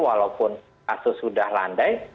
walaupun kasus sudah landai